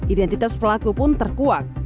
identitas pelaku pun terkuat